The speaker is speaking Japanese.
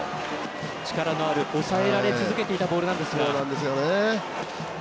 力のある抑えられ続けていたボールなんですが。